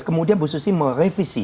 kemudian bu susi merevisi